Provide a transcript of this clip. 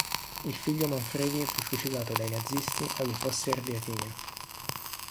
Il figlio Manfredi fu fucilato dai nazisti alle Fosse Ardeatine.